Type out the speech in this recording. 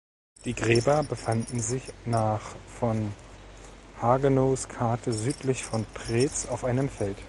Die Gräber befanden sich nach von Hagenows Karte südlich von Preetz auf einem Feld.